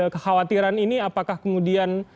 kekhawatiran ini apakah kemudian